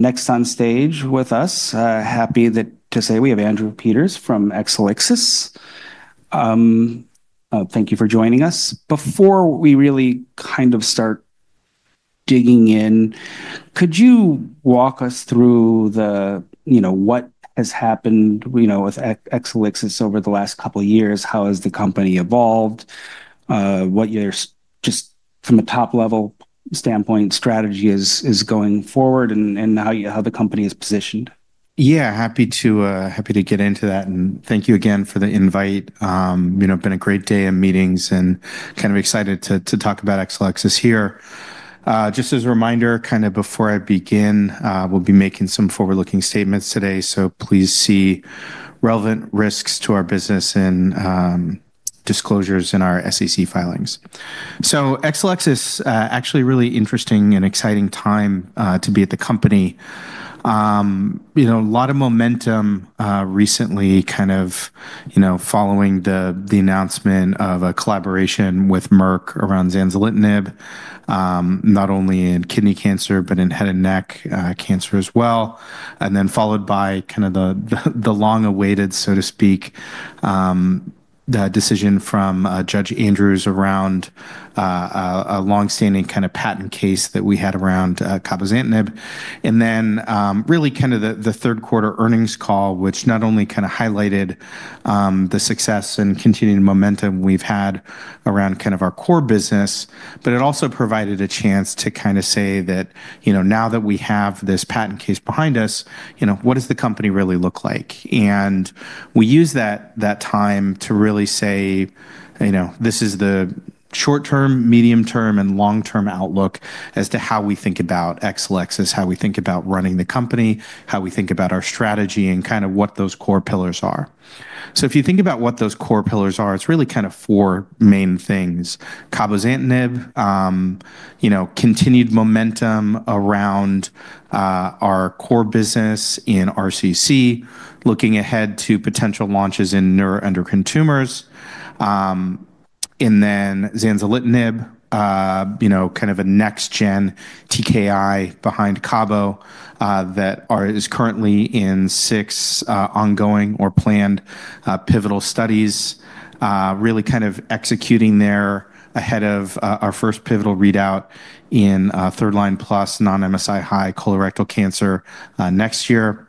Next on stage with us, happy to say we have Andrew Peters from Exelixis. Thank you for joining us. Before we really kind of start digging in, could you walk us through the, you know, what has happened, you know, with Exelixis over the last couple of years? How has the company evolved? What you're just from a top-level standpoint, strategy is going forward and how the company is positioned? Yeah, happy to get into that, and thank you again for the invite. You know, been a great day of meetings and kind of excited to talk about Exelixis here. Just as a reminder, kind of before I begin, we'll be making some forward-looking statements today. So please see relevant risks to our business and disclosures in our SEC filings, so Exelixis, actually really interesting and exciting time to be at the company. You know, a lot of momentum recently, kind of, you know, following the announcement of a collaboration with Merck around zanzalintinib, not only in kidney cancer, but in head and neck cancer as well, and then followed by kind of the long-awaited, so to speak, decision from Judge Andrews around a long-standing kind of patent case that we had around cabozantinib. And then really kind of the third quarter earnings call, which not only kind of highlighted the success and continued momentum we've had around kind of our core business, but it also provided a chance to kind of say that, you know, now that we have this patent case behind us, you know, what does the company really look like? And we use that time to really say, you know, this is the short-term, medium-term, and long-term outlook as to how we think about Exelixis, how we think about running the company, how we think about our strategy, and kind of what those core pillars are. So if you think about what those core pillars are, it's really kind of four main things: cabozantinib, you know, continued momentum around our core business in RCC, looking ahead to potential launches in neuroendocrine tumors. And then zanzalintinib, you know, kind of a next-gen TKI behind cabo that is currently in six ongoing or planned pivotal studies, really kind of executing there ahead of our first pivotal readout in third-line plus non-MSI-high colorectal cancer next year.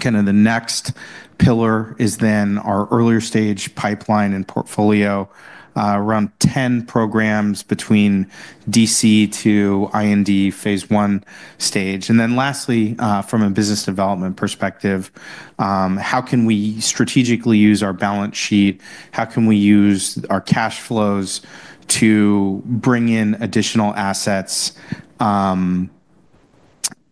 Kind of the next pillar is then our earlier stage pipeline and portfolio, around 10 programs between DC to IND phase I stage. And then lastly, from a business development perspective, how can we strategically use our balance sheet? How can we use our cash flows to bring in additional assets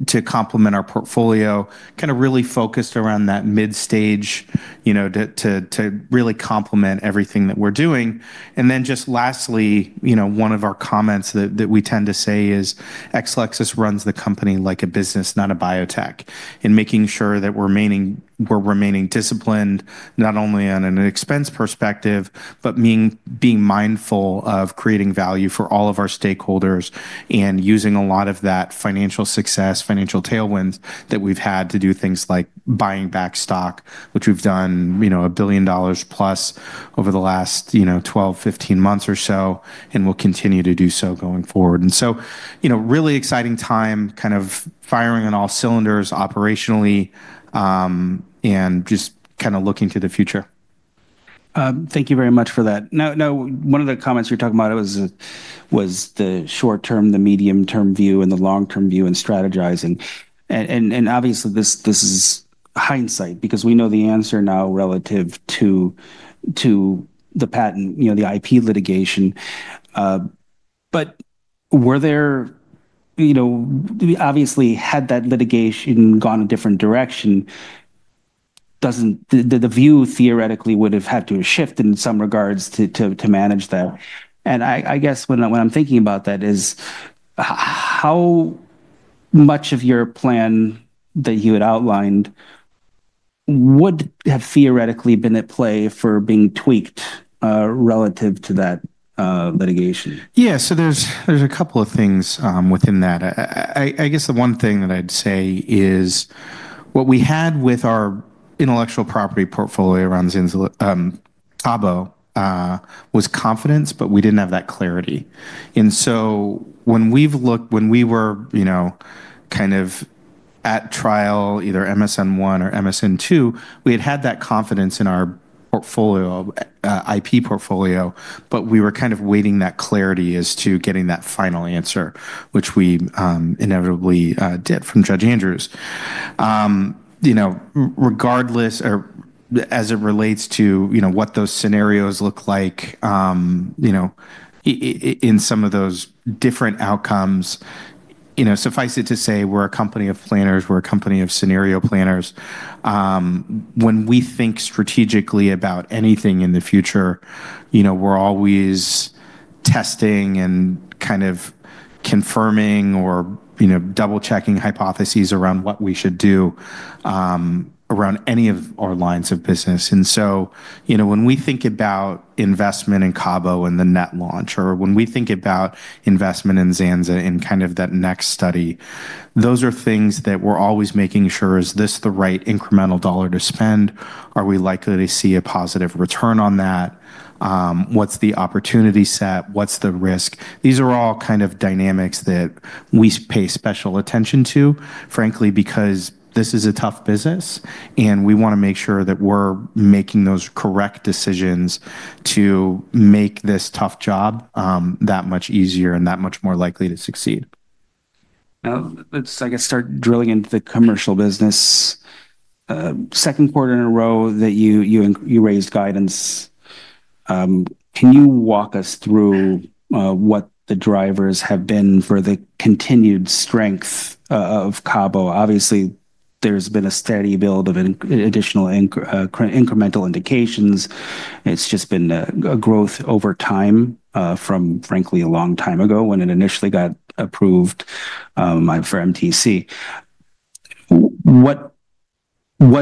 to complement our portfolio? Kind of really focused around that mid-stage, you know, to really complement everything that we're doing. And then just lastly, you know, one of our comments that we tend to say is Exelixis runs the company like a business, not a biotech, and making sure that we're remaining disciplined, not only on an expense perspective, but being mindful of creating value for all of our stakeholders and using a lot of that financial success, financial tailwinds that we've had to do things like buying back stock, which we've done, you know, $1 billion+ over the last, you know, 12, 15 months or so, and we'll continue to do so going forward. And so, you know, really exciting time, kind of firing on all cylinders operationally and just kind of looking to the future. Thank you very much for that. Now, one of the comments you're talking about was the short-term, the medium-term view, and the long-term view and strategizing, and obviously, this is hindsight because we know the answer now relative to the patent, you know, the IP litigation, but were there, you know, obviously had that litigation gone a different direction, doesn't the view theoretically would have had to shift in some regards to manage that, and I guess when I'm thinking about that is how much of your plan that you had outlined would have theoretically been at play for being tweaked relative to that litigation? Yeah, so there's a couple of things within that. I guess the one thing that I'd say is what we had with our intellectual property portfolio around cabo was confidence, but we didn't have that clarity. And so when we've looked, when we were, you know, kind of at trial, either MSN I or MSN II, we had had that confidence in our portfolio, IP portfolio, but we were kind of waiting that clarity as to getting that final answer, which we inevitably did from Judge Andrews. You know, regardless, as it relates to, you know, what those scenarios look like, you know, in some of those different outcomes, you know, suffice it to say we're a company of planners, we're a company of scenario planners. When we think strategically about anything in the future, you know, we're always testing and kind of confirming or, you know, double-checking hypotheses around what we should do around any of our lines of business. And so, you know, when we think about investment in cabo and the NET launch, or when we think about investment in zanza and kind of that next study, those are things that we're always making sure, is this the right incremental dollar to spend? Are we likely to see a positive return on that? What's the opportunity set? What's the risk? These are all kind of dynamics that we pay special attention to, frankly, because this is a tough business and we want to make sure that we're making those correct decisions to make this tough job that much easier and that much more likely to succeed. Now, let's, I guess, start drilling into the commercial business. Second quarter in a row that you raised guidance. Can you walk us through what the drivers have been for the continued strength of cabo? Obviously, there's been a steady build of additional incremental indications. It's just been a growth over time from, frankly, a long time ago when it initially got approved for MTC. What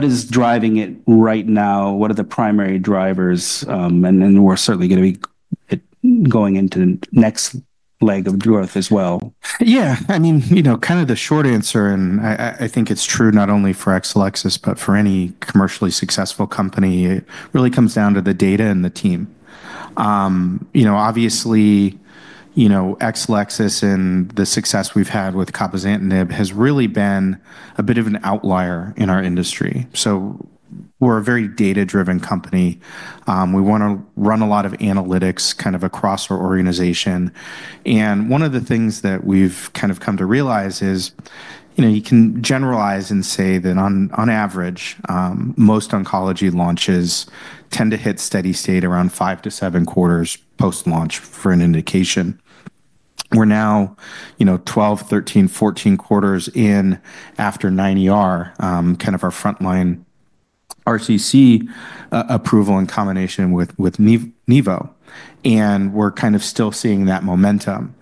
is driving it right now? What are the primary drivers? And then we're certainly going to be going into the next leg of growth as well. Yeah, I mean, you know, kind of the short answer, and I think it's true not only for Exelixis, but for any commercially successful company, it really comes down to the data and the team. You know, obviously, you know, Exelixis and the success we've had with cabozantinib has really been a bit of an outlier in our industry. So we're a very data-driven company. We want to run a lot of analytics kind of across our organization. And one of the things that we've kind of come to realize is, you know, you can generalize and say that on average, most oncology launches tend to hit steady state around five to seven quarters post-launch for an indication. We're now, you know, 12, 13, 14 quarters in after 9ER, kind of our frontline RCC approval in combination with nivo. And we're kind of still seeing that momentum.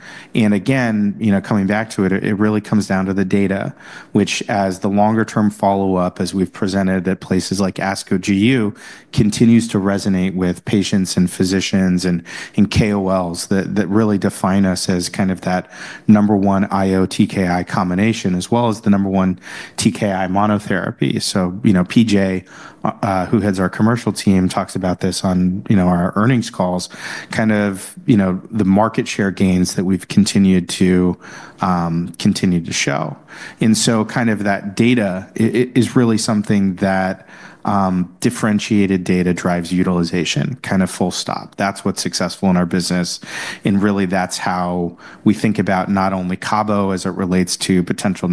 Again, you know, coming back to it, it really comes down to the data, which, as the longer-term follow-up, as we've presented at places like ASCO GU, continues to resonate with patients and physicians and KOLs that really define us as kind of that number one IO TKI combination, as well as the number one TKI monotherapy. So, you know, P.J., who heads our commercial team, talks about this on, you know, our earnings calls, kind of, you know, the market share gains that we've continued to show. And so kind of that data is really something that differentiated data drives utilization, kind of full stop. That's what's successful in our business. And really that's how we think about not only cabo as it relates to potential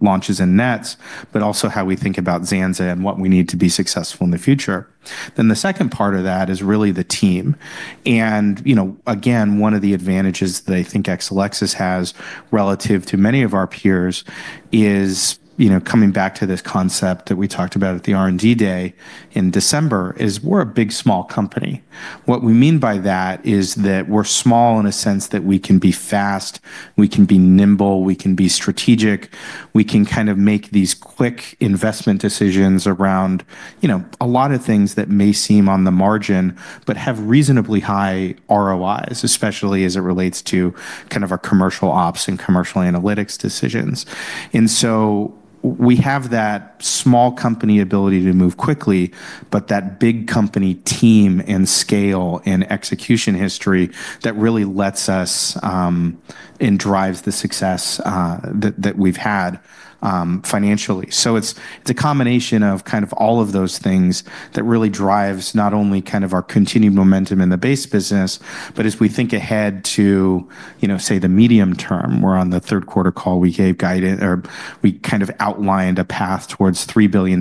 launches and NETs, but also how we think about zanza and what we need to be successful in the future. Then the second part of that is really the team. And, you know, again, one of the advantages that I think Exelixis has relative to many of our peers is, you know, coming back to this concept that we talked about at the R&D Day in December: we're a big small company. What we mean by that is that we're small in a sense that we can be fast, we can be nimble, we can be strategic, we can kind of make these quick investment decisions around, you know, a lot of things that may seem on the margin, but have reasonably high ROIs, especially as it relates to kind of our commercial ops and commercial analytics decisions. And so we have that small company ability to move quickly, but that big company team and scale and execution history that really lets us and drives the success that we've had financially. So it's a combination of kind of all of those things that really drives not only kind of our continued momentum in the base business, but as we think ahead to, you know, say the medium term, we're on the third quarter call, we gave guidance, or we kind of outlined a path towards $3 billion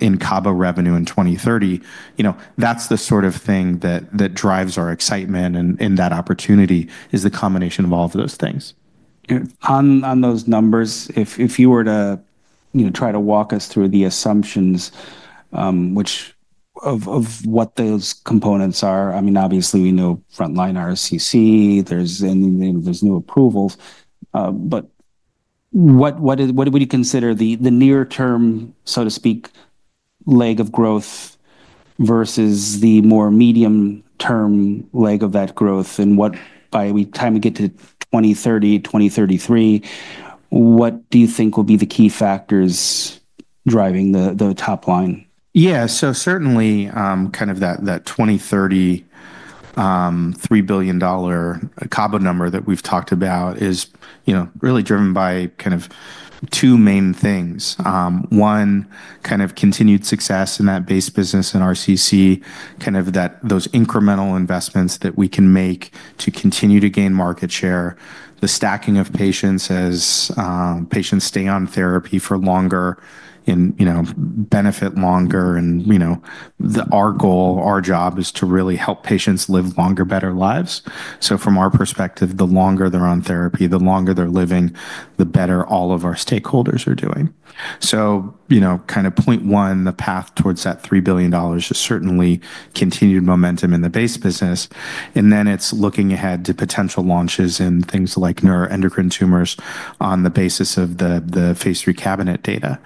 in cabo revenue in 2030. You know, that's the sort of thing that drives our excitement and that opportunity is the combination of all of those things. On those numbers, if you were to, you know, try to walk us through the assumptions, which of what those components are, I mean, obviously we know frontline RCC, there's new approvals, but what would you consider the near-term, so to speak, leg of growth versus the more medium-term leg of that growth? And what by the time we get to 2030, 2033, what do you think will be the key factors driving the top line? Yeah, so certainly kind of that 2030 $3 billion cabo number that we've talked about is, you know, really driven by kind of two main things. One, kind of continued success in that base business and RCC, kind of those incremental investments that we can make to continue to gain market share, the stacking of patients as patients stay on therapy for longer and, you know, benefit longer. And, you know, our goal, our job is to really help patients live longer, better lives. So from our perspective, the longer they're on therapy, the longer they're living, the better all of our stakeholders are doing. So, you know, kind of point one, the path towards that $3 billion is certainly continued momentum in the base business. And then it's looking ahead to potential launches in things like neuroendocrine tumors on the basis of the phase 3 CABINET data.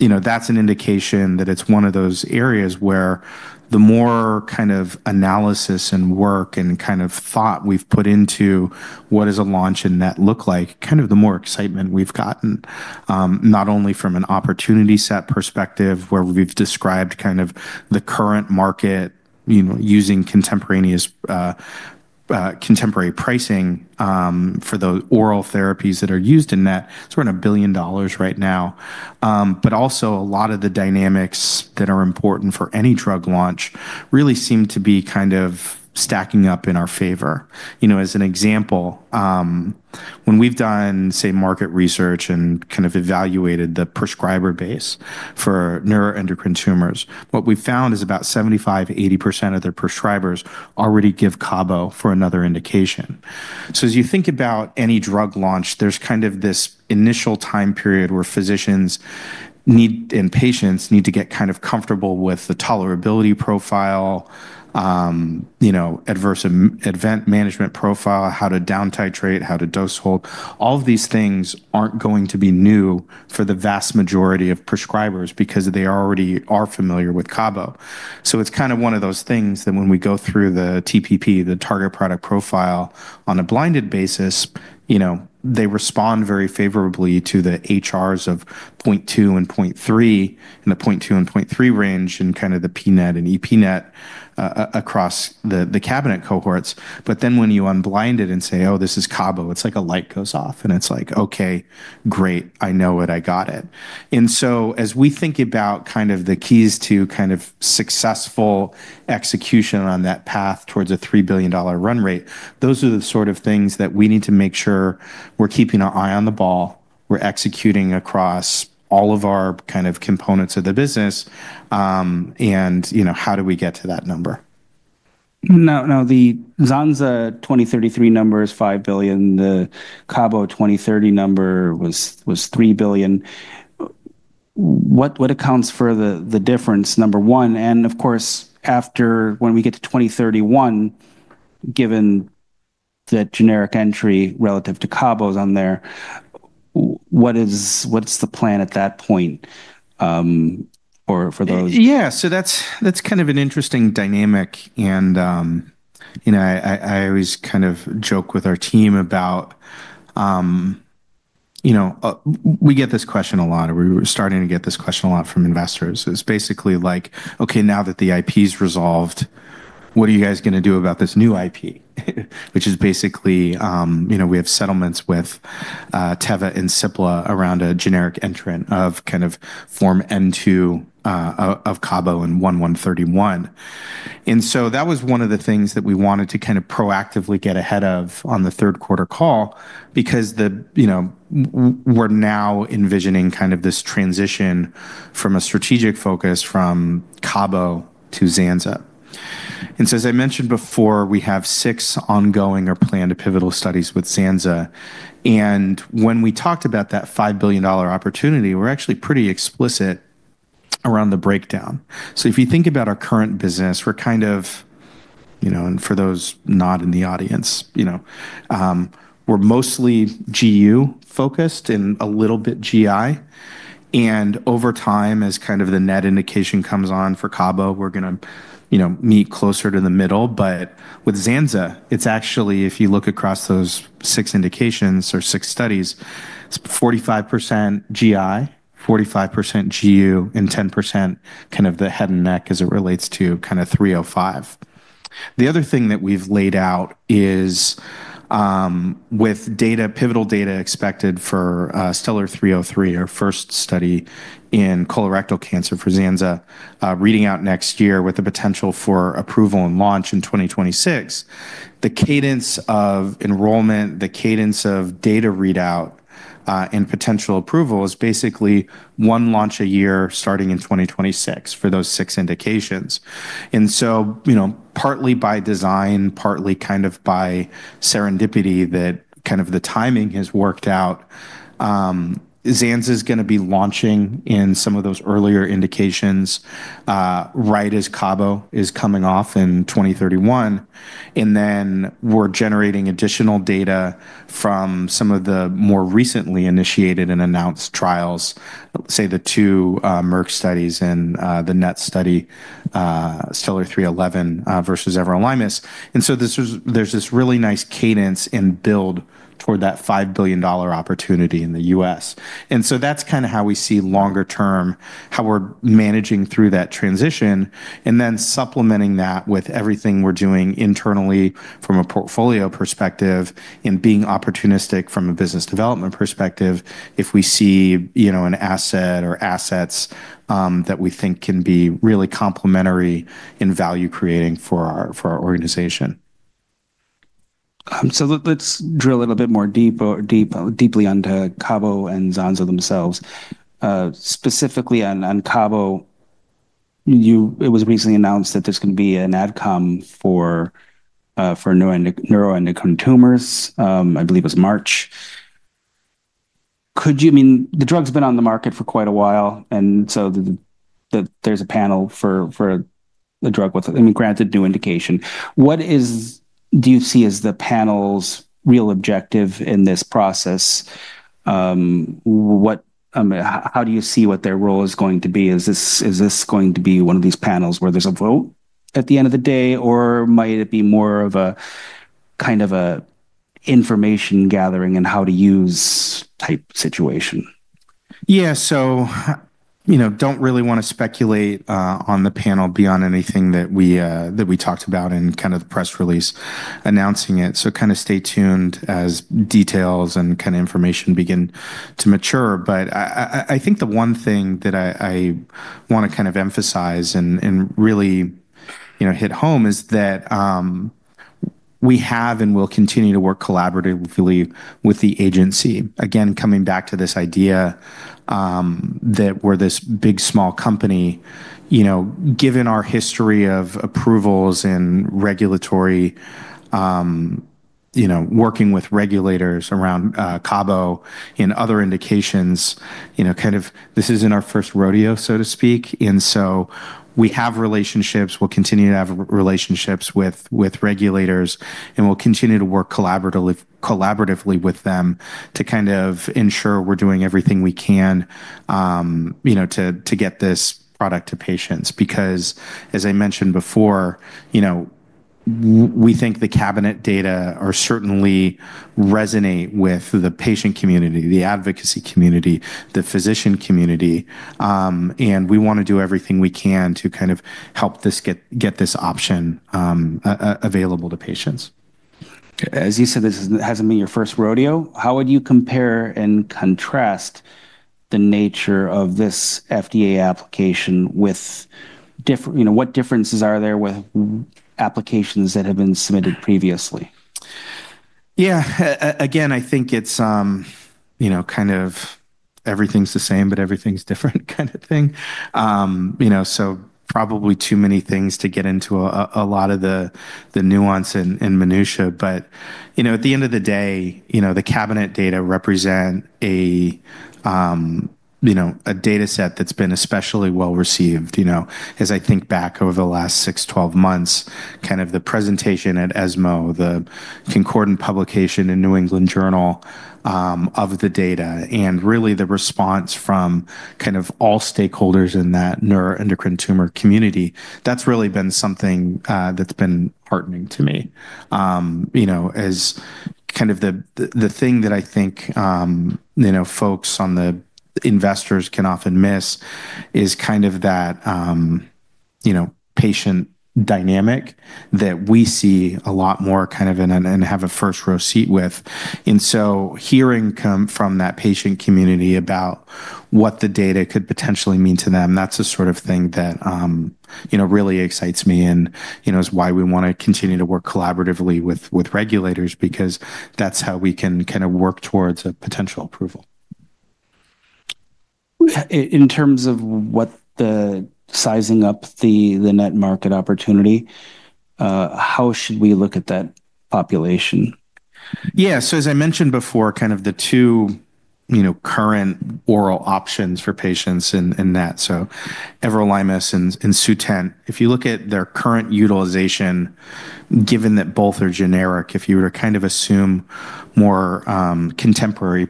You know, that's an indication that it's one of those areas where the more kind of analysis and work and kind of thought we've put into what does a launch and net look like, kind of the more excitement we've gotten, not only from an opportunity set perspective where we've described kind of the current market, you know, using contemporary pricing for the oral therapies that are used in net. So we're in $1 billion right now. But also a lot of the dynamics that are important for any drug launch really seem to be kind of stacking up in our favor. You know, as an example, when we've done, say, market research and kind of evaluated the prescriber base for neuroendocrine tumors, what we found is about 75%-80% of their prescribers already give cabo for another indication. So as you think about any drug launch, there's kind of this initial time period where physicians need and patients need to get kind of comfortable with the tolerability profile, you know, adverse event management profile, how to down titrate, how to dose hold. All of these things aren't going to be new for the vast majority of prescribers because they already are familiar with cabo. So it's kind of one of those things that when we go through the TPP, the target product profile on a blinded basis, you know, they respond very favorably to the HRs of 0.2 and 0.3 and the 0.2 and 0.3 range and kind of the pNET and epNET across the CABINET cohorts. But then when you unblind it and say, oh, this is cabo, it's like a light goes off and it's like, okay, great, I know it, I got it. And so as we think about kind of the keys to kind of successful execution on that path towards a $3 billion run rate, those are the sort of things that we need to make sure we're keeping our eye on the ball, we're executing across all of our kind of components of the business. And, you know, how do we get to that number? Now, the zanza 2033 number is $5 billion. The cabo 2030 number was $3 billion. What accounts for the difference, number one? And of course, after when we get to 2031, given that generic entry relative to cabo's on there, what's the plan at that point for those? Yeah, so that's kind of an interesting dynamic. And, you know, I always kind of joke with our team about, you know, we get this question a lot, or we were starting to get this question a lot from investors. It's basically like, okay, now that the IP's resolved, what are you guys going to do about this new IP? Which is basically, you know, we have settlements with Teva and Cipla around a generic entrant of kind of Form N-2 of cabo on 1/1/31. And so that was one of the things that we wanted to kind of proactively get ahead of on the third quarter call because the, you know, we're now envisioning kind of this transition from a strategic focus from cabo to zanza. And so as I mentioned before, we have six ongoing or planned pivotal studies with zanza. When we talked about that $5 billion opportunity, we're actually pretty explicit around the breakdown. So if you think about our current business, we're kind of, you know, and for those not in the audience, you know, we're mostly GU focused and a little bit GI. And over time, as kind of the NET indication comes on for cabo, we're going to, you know, meet closer to the middle. But with zanza, it's actually, if you look across those six indications or six studies, it's 45% GI, 45% GU, and 10% kind of the head and neck as it relates to kind of 305. The other thing that we've laid out is with data, pivotal data expected for STELLAR-303, our first study in colorectal cancer for zanza, reading out next year with the potential for approval and launch in 2026. The cadence of enrollment, the cadence of data readout and potential approval is basically one launch a year starting in 2026 for those six indications. And so, you know, partly by design, partly kind of by serendipity that kind of the timing has worked out. Zanza's going to be launching in some of those earlier indications right as cabo is coming off in 2031. And then we're generating additional data from some of the more recently initiated and announced trials, say the two Merck studies and the NET study, STELLAR-311 versus everolimus. And so there's this really nice cadence and build toward that $5 billion opportunity in the U.S. And so that's kind of how we see longer term, how we're managing through that transition and then supplementing that with everything we're doing internally from a portfolio perspective and being opportunistic from a business development perspective if we see, you know, an asset or assets that we think can be really complementary in value creating for our organization. So, let's drill a little bit more deeply under cabo and zanza themselves. Specifically on cabo, it was recently announced that there's going to be an AdCom for neuroendocrine tumors, I believe it was March. Could you, I mean, the drug's been on the market for quite a while. And so there's a panel for the drug with, I mean, granted new indication. What do you see as the panel's real objective in this process? How do you see what their role is going to be? Is this going to be one of these panels where there's a vote at the end of the day, or might it be more of a kind of an information gathering and how to use type situation? Yeah, so, you know, don't really want to speculate on the panel beyond anything that we talked about in kind of the press release announcing it. So kind of stay tuned as details and kind of information begin to mature. But I think the one thing that I want to kind of emphasize and really, you know, hit home is that we have and will continue to work collaboratively with the agency. Again, coming back to this idea that we're this big small company, you know, given our history of approvals and regulatory, you know, working with regulators around cabo and other indications, you know, kind of this isn't our first rodeo, so to speak. So we have relationships, we'll continue to have relationships with regulators, and we'll continue to work collaboratively with them to kind of ensure we're doing everything we can, you know, to get this product to patients. Because as I mentioned before, you know, we think the CABINET data are certainly resonate with the patient community, the advocacy community, the physician community. We want to do everything we can to kind of help this get this option available to patients. As you said, this hasn't been your first rodeo. How would you compare and contrast the nature of this FDA application with different, you know, what differences are there with applications that have been submitted previously? Yeah, again, I think it's, you know, kind of everything's the same, but everything's different kind of thing. You know, so probably too many things to get into a lot of the nuance and minutiae. But, you know, at the end of the day, you know, the CABINET data represent a, you know, a data set that's been especially well received, you know, as I think back over the last six, 12 months, kind of the presentation at ESMO, the concordant publication in New England Journal of Medicine of the data and really the response from kind of all stakeholders in that neuroendocrine tumor community. That's really been something that's been heartening to me. You know, as kind of the thing that I think, you know, folks on the investors can often miss is kind of that, you know, patient dynamic that we see a lot more kind of in and have a first row seat with, and so hearing from that patient community about what the data could potentially mean to them, that's the sort of thing that, you know, really excites me and, you know, is why we want to continue to work collaboratively with regulators because that's how we can kind of work towards a potential approval. In terms of sizing up the net market opportunity, how should we look at that population? Yeah, so as I mentioned before, kind of the two, you know, current oral options for patients in NET. So everolimus and Sutent, if you look at their current utilization, given that both are generic, if you were to kind of assume more contemporary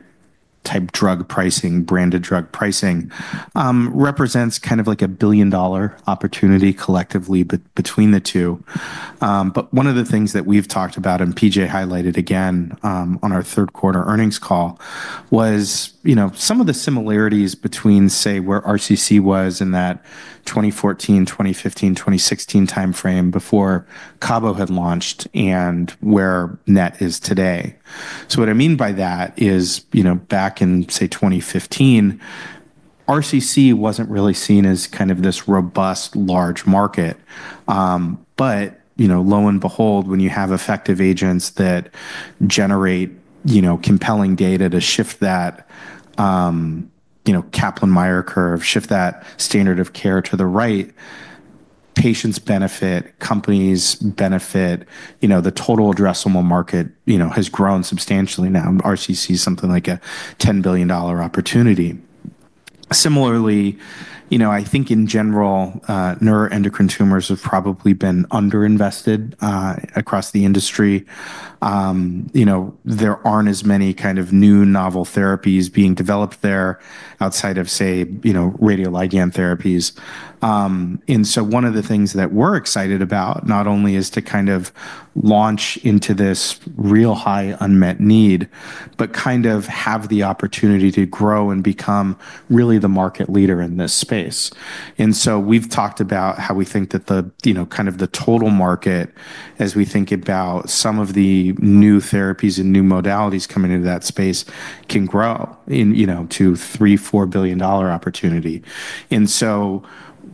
type drug pricing, branded drug pricing represents kind of like a $1 billion opportunity collectively between the two. But one of the things that we've talked about and P.J. highlighted again on our third quarter earnings call was, you know, some of the similarities between, say, where RCC was in that 2014, 2015, 2016 timeframe before cabo had launched and where NET is today. So what I mean by that is, you know, back in, say, 2015, RCC wasn't really seen as kind of this robust large market. But, you know, lo and behold, when you have effective agents that generate, you know, compelling data to shift that, you know, Kaplan-Meier curve, shift that standard of care to the right, patients benefit, companies benefit, you know, the total addressable market, you know, has grown substantially now. RCC is something like a $10 billion opportunity. Similarly, you know, I think in general, neuroendocrine tumors have probably been underinvested across the industry. You know, there aren't as many kind of new novel therapies being developed there outside of, say, you know, radioligand therapies. And so one of the things that we're excited about not only is to kind of launch into this real high unmet need, but kind of have the opportunity to grow and become really the market leader in this space. And so we've talked about how we think that the, you know, kind of the total market, as we think about some of the new therapies and new modalities coming into that space can grow in, you know, to a $3 billion-$4 billion opportunity. And so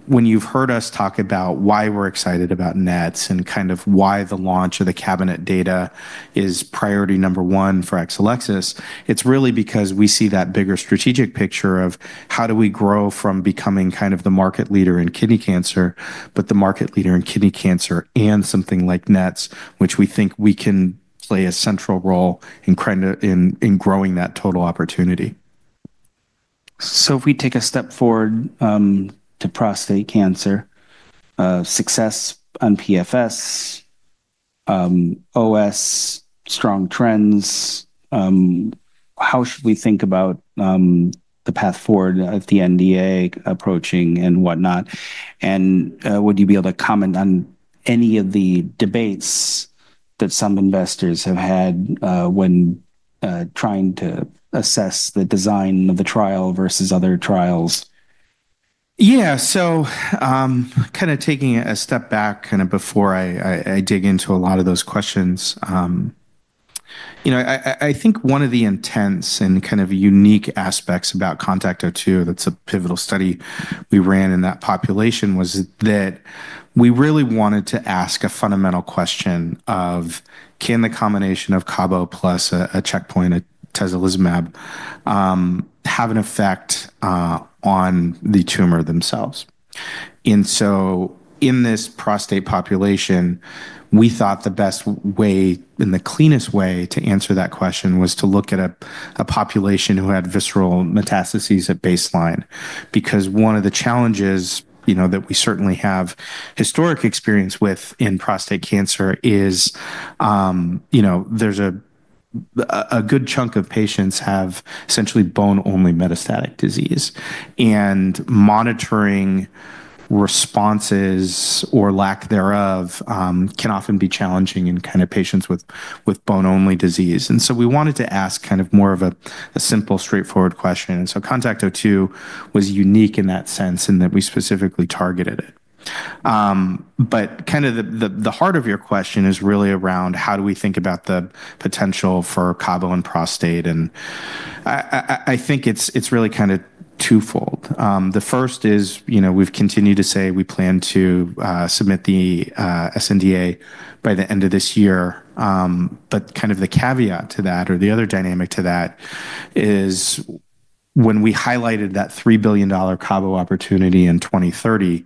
when you've heard us talk about why we're excited about NETs and kind of why the launch of the CABINET data is priority number one for Exelixis, it's really because we see that bigger strategic picture of how do we grow from becoming kind of the market leader in kidney cancer, but the market leader in kidney cancer and something like NETs, which we think we can play a central role in growing that total opportunity. So if we take a step forward to prostate cancer, success on PFS, OS, strong trends, how should we think about the path forward at the NDA approaching and whatnot? And would you be able to comment on any of the debates that some investors have had when trying to assess the design of the trial versus other trials? Yeah, so kind of taking a step back kind of before I dig into a lot of those questions. You know, I think one of the intents and kind of unique aspects about CONTACT-02, that's a pivotal study we ran in that population, was that we really wanted to ask a fundamental question of can the combination of cabo plus a checkpoint, atezolizumab, have an effect on the tumor themselves? And so in this prostate population, we thought the best way and the cleanest way to answer that question was to look at a population who had visceral metastases at baseline. Because one of the challenges, you know, that we certainly have historic experience with in prostate cancer is, you know, there's a good chunk of patients have essentially bone-only metastatic disease. And monitoring responses or lack thereof can often be challenging in kind of patients with bone-only disease. And so we wanted to ask kind of more of a simple, straightforward question. And so CONTACT-02 was unique in that sense in that we specifically targeted it. But kind of the heart of your question is really around how do we think about the potential for cabo and prostate? And I think it's really kind of twofold. The first is, you know, we've continued to say we plan to submit the sNDA by the end of this year. But kind of the caveat to that or the other dynamic to that is when we highlighted that $3 billion cabo opportunity in 2030,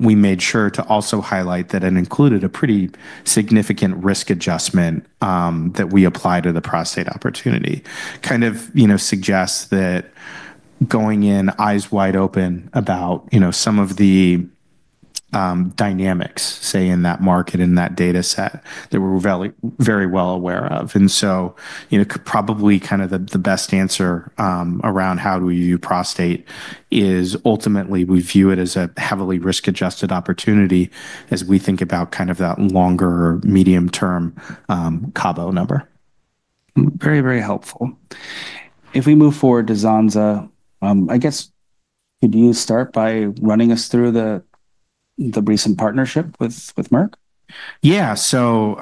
we made sure to also highlight that it included a pretty significant risk adjustment that we apply to the prostate opportunity. Kind of, you know, suggests that going in eyes wide open about, you know, some of the dynamics, say, in that market and that data set that we're very well aware of. And so, you know, probably kind of the best answer around how do we view prostate is ultimately we view it as a heavily risk-adjusted opportunity as we think about kind of that longer medium-term cabo number. Very, very helpful. If we move forward to zanza, I guess, could you start by running us through the recent partnership with Merck? Yeah, so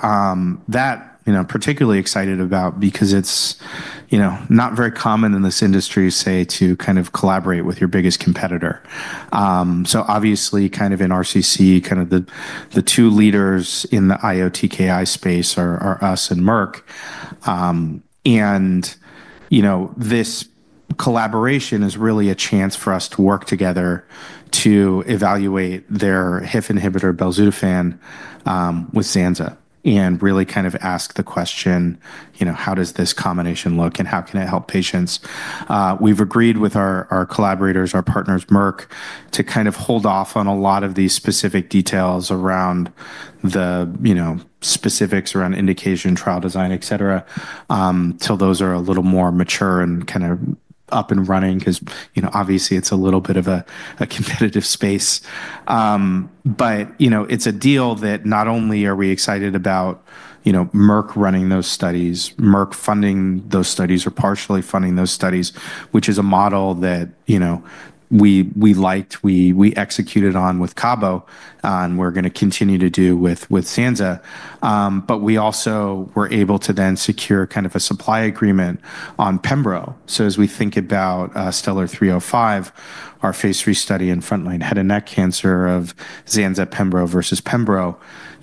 that, you know, I'm particularly excited about because it's, you know, not very common in this industry, say, to kind of collaborate with your biggest competitor, so obviously kind of in RCC, kind of the two leaders in the IO-TKI space are us and Merck, and, you know, this collaboration is really a chance for us to work together to evaluate their HIF inhibitor, belzutifan, with zanza and really kind of ask the question, you know, how does this combination look and how can it help patients. We've agreed with our collaborators, our partners, Merck, to kind of hold off on a lot of these specific details around the, you know, specifics around indication, trial design, et cetera, till those are a little more mature and kind of up and running because, you know, obviously it's a little bit of a competitive space. But, you know, it's a deal that not only are we excited about, you know, Merck running those studies, Merck funding those studies or partially funding those studies, which is a model that, you know, we liked, we executed on with cabo and we're going to continue to do with zanza, but we also were able to then secure kind of a supply agreement on pembro, so as we think about STELLAR-305, our phase III study in frontline head and neck cancer of zanza, pembro versus pembro,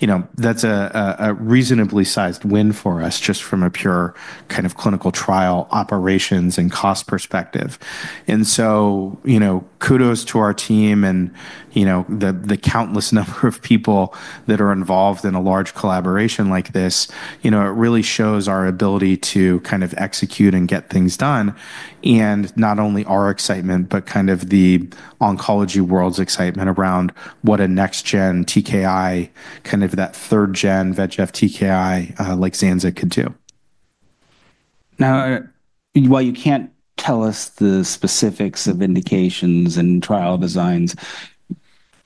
you know, that's a reasonably sized win for us just from a pure kind of clinical trial operations and cost perspective, and so, you know, kudos to our team and, you know, the countless number of people that are involved in a large collaboration like this, you know, it really shows our ability to kind of execute and get things done. And not only our excitement, but kind of the oncology world's excitement around what a next-gen TKI, kind of that third-gen VEGF TKI like zanza could do. Now, while you can't tell us the specifics of indications and trial designs,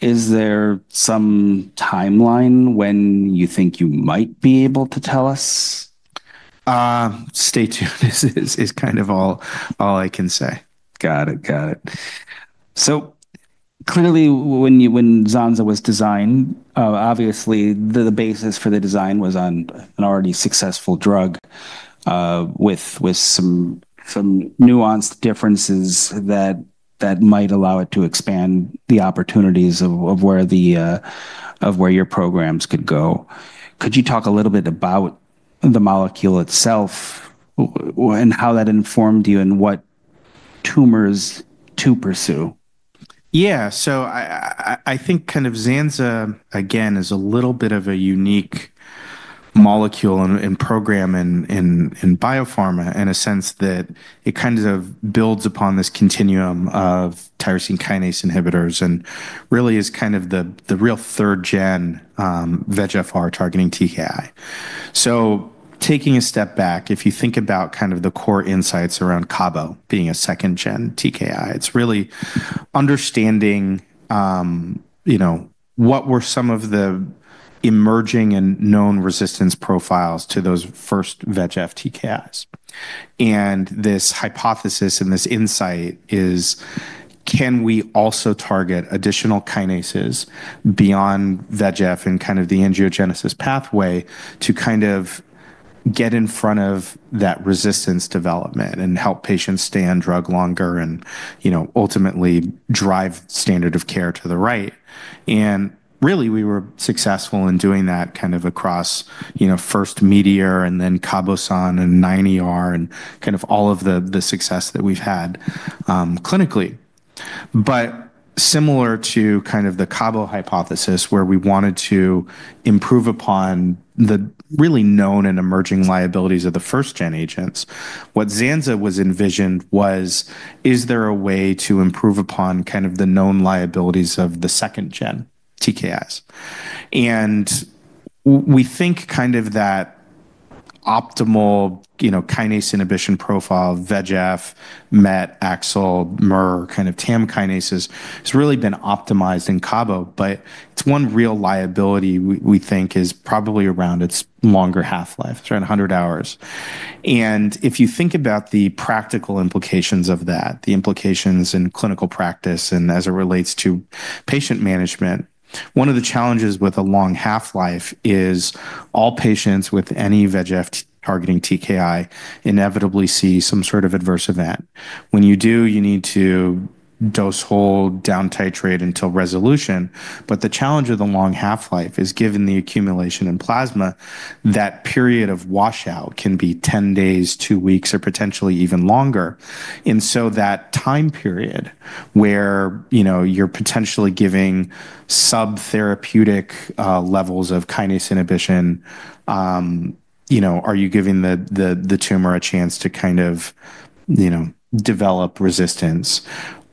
is there some timeline when you think you might be able to tell us? Stay tuned. This is kind of all I can say. Got it. Got it. So clearly when zanza was designed, obviously the basis for the design was on an already successful drug with some nuanced differences that might allow it to expand the opportunities of where your programs could go. Could you talk a little bit about the molecule itself and how that informed you and what tumors to pursue? Yeah, so I think kind of zanza, again, is a little bit of a unique molecule and program in biopharma in a sense that it kind of builds upon this continuum of tyrosine kinase inhibitors and really is kind of the real third-gen VEGFR targeting TKI. So taking a step back, if you think about kind of the core insights around cabo being a second-gen TKI, it's really understanding, you know, what were some of the emerging and known resistance profiles to those first VEGF TKIs. And this hypothesis and this insight is, can we also target additional kinases beyond VEGF and kind of the angiogenesis pathway to kind of get in front of that resistance development and help patients stay on drug longer and, you know, ultimately drive standard of care to the right? And really we were successful in doing that kind of across, you know, first METEOR and then CABOSUN and 9ER and kind of all of the success that we've had clinically. But similar to kind of the cabo hypothesis where we wanted to improve upon the really known and emerging liabilities of the first-gen agents, what zanza was envisioned was, is there a way to improve upon kind of the known liabilities of the second-gen TKIs? And we think kind of that optimal, you know, kinase inhibition profile, VEGF, MET, AXL, MER, kind of TAM kinases has really been optimized in cabo, but it's one real liability we think is probably around its longer half-life, around 100 hours. And if you think about the practical implications of that, the implications in clinical practice and as it relates to patient management, one of the challenges with a long half-life is all patients with any VEGF targeting TKI inevitably see some sort of adverse event. When you do, you need to dose hold, down titrate until resolution. But the challenge of the long half-life is given the accumulation in plasma, that period of washout can be 10 days, two weeks, or potentially even longer. And so that time period where, you know, you're potentially giving sub-therapeutic levels of kinase inhibition, you know, are you giving the tumor a chance to kind of, you know, develop resistance?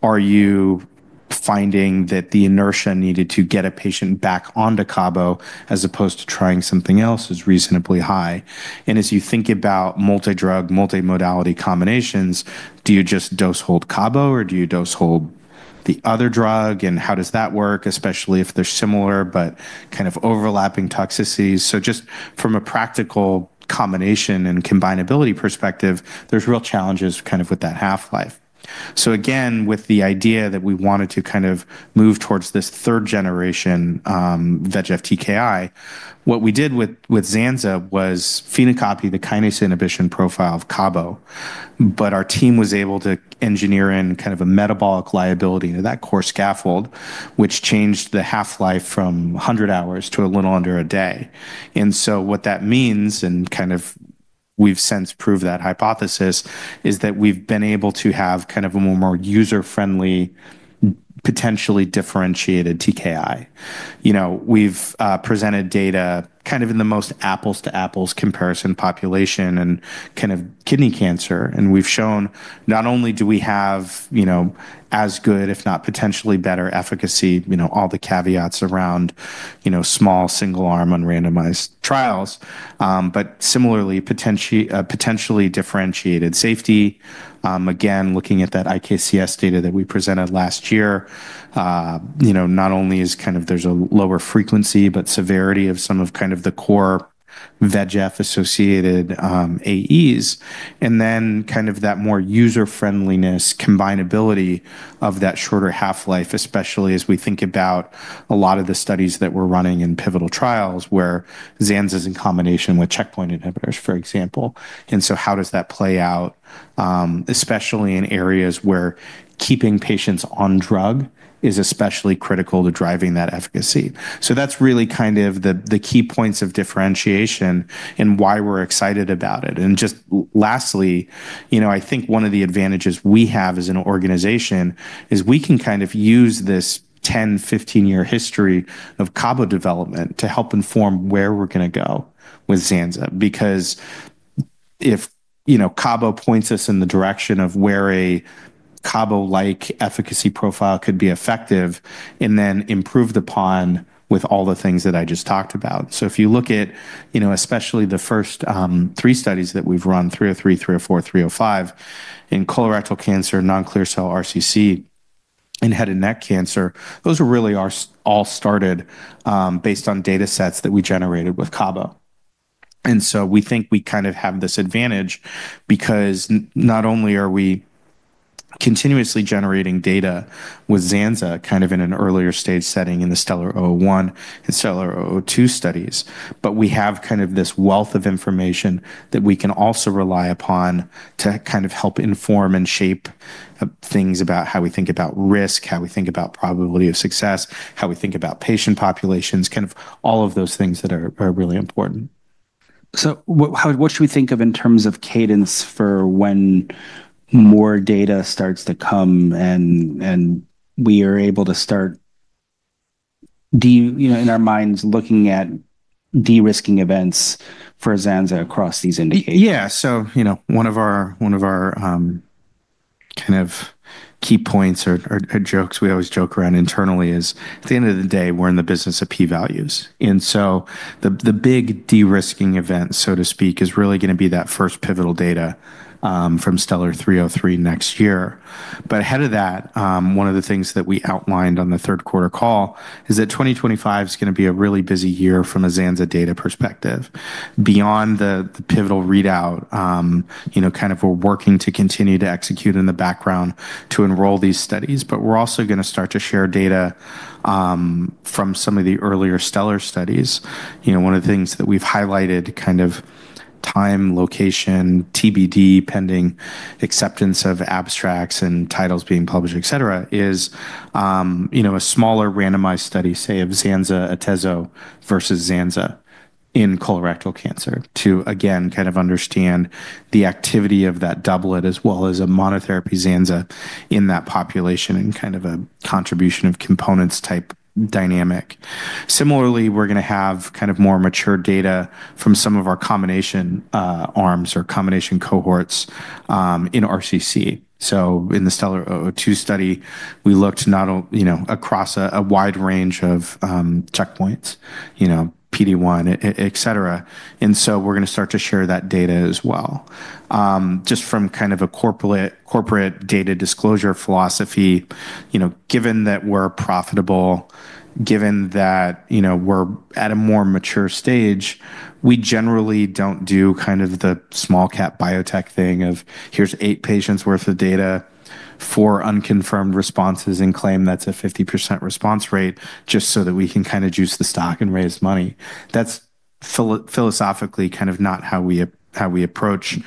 Are you finding that the inertia needed to get a patient back onto cabo as opposed to trying something else is reasonably high? As you think about multi-drug, multi-modality combinations, do you just dose hold cabo or do you dose hold the other drug? How does that work, especially if they're similar but kind of overlapping toxicities? Just from a practical combination and combinability perspective, there's real challenges kind of with that half-life. Again, with the idea that we wanted to kind of move towards this third-generation VEGF TKI, what we did with zanza was phenocopy the kinase inhibition profile of cabo, but our team was able to engineer in kind of a metabolic liability to that core scaffold, which changed the half-life from 100 hours to a little under a day. What that means, and kind of we've since proved that hypothesis, is that we've been able to have kind of a more user-friendly, potentially differentiated TKI. You know, we've presented data kind of in the most apples-to-apples comparison population and kind of kidney cancer, and we've shown not only do we have, you know, as good, if not potentially better efficacy, you know, all the caveats around, you know, small single-arm unrandomized trials, but similarly potentially differentiated safety. Again, looking at that IKCS data that we presented last year, you know, not only is kind of there's a lower frequency, but severity of some of kind of the core VEGF-associated AEs. And then kind of that more user-friendliness, combinability of that shorter half-life, especially as we think about a lot of the studies that we're running in pivotal trials where zanza's in combination with checkpoint inhibitors, for example. And so how does that play out, especially in areas where keeping patients on drug is especially critical to driving that efficacy? So that's really kind of the key points of differentiation and why we're excited about it. And just lastly, you know, I think one of the advantages we have as an organization is we can kind of use this 10, 15-year history of cabo development to help inform where we're going to go with zanza. Because if, you know, cabo points us in the direction of where a cabo-like efficacy profile could be effective and then improved upon with all the things that I just talked about. So if you look at, you know, especially the first three studies that we've run, 303, 304, 305, in colorectal cancer, non-clear cell RCC, and head and neck cancer, those really all started based on data sets that we generated with cabo. And so, we think we kind of have this advantage because not only are we continuously generating data with zanza kind of in an earlier stage setting in the STELLAR-001 and STELLAR-002 studies, but we have kind of this wealth of information that we can also rely upon to kind of help inform and shape things about how we think about risk, how we think about probability of success, how we think about patient populations, kind of all of those things that are really important. So what should we think of in terms of cadence for when more data starts to come and we are able to start, you know, in our minds looking at de-risking events for zanza across these indicators? Yeah, so, you know, one of our kind of key points or jokes we always joke around internally is at the end of the day, we're in the business of P-values. The big de-risking event, so to speak, is really going to be that first pivotal data from STELLAR-303 next year. Ahead of that, one of the things that we outlined on the third quarter call is that 2025 is going to be a really busy year from a zanza data perspective. Beyond the pivotal readout, you know, kind of we're working to continue to execute in the background to enroll these studies, but we're also going to start to share data from some of the earlier STELLAR studies. You know, one of the things that we've highlighted, kind of time, location, TBD, pending acceptance of abstracts and titles being published, et cetera, is, you know, a smaller randomized study, say, of zanza, atezo, versus zanza in colorectal cancer to, again, kind of understand the activity of that doublet as well as a monotherapy zanza in that population and kind of a contribution of components type dynamic. Similarly, we're going to have kind of more mature data from some of our combination arms or combination cohorts in RCC, so in the STELLAR-002 study, we looked not only, you know, across a wide range of checkpoints, you know, PD-1, et cetera, and so we're going to start to share that data as well. Just from kind of a corporate data disclosure philosophy, you know, given that we're profitable, given that, you know, we're at a more mature stage, we generally don't do kind of the small cap biotech thing of, here's eight patients' worth of data for unconfirmed responses and claim that's a 50% response rate just so that we can kind of juice the stock and raise money. That's philosophically kind of not how we approach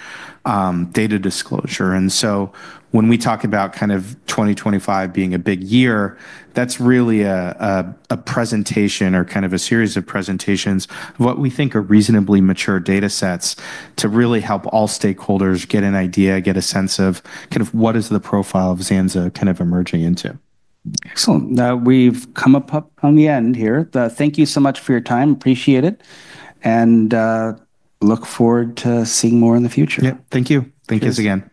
data disclosure. And so when we talk about kind of 2025 being a big year, that's really a presentation or kind of a series of presentations of what we think are reasonably mature data sets to really help all stakeholders get an idea, get a sense of kind of what is the profile of zanza kind of emerging into. Excellent. Now we've come up on the end here. Thank you so much for your time. Appreciate it. And look forward to seeing more in the future. Yeah, thank you. Thank you again.